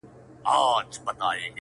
که ستا د حسن د رڼا تصوير په خوب وويني~